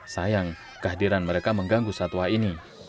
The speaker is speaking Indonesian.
sayang kehadiran mereka mengganggu satwa ini